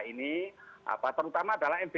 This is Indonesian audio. ini apa terutama adalah